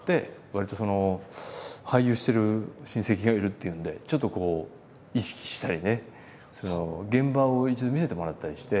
わりとその俳優してる親戚がいるっていうんでちょっとこう意識したりね俺見学させてもらったりして。